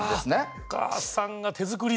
お母さんが手作りで。